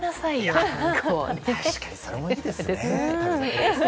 確かにそれもいいですね。